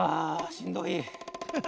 しんどい